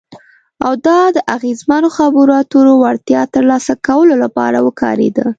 او د اغیزمنو خبرو اترو وړتیا ترلاسه کولو لپاره وکارېده.